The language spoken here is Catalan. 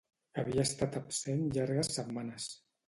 Havia estat absent llargues setmanes.